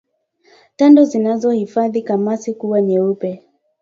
Tando zinazohifadhi kamasi kuwa nyeupe